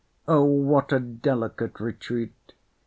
O what a delicate retreat!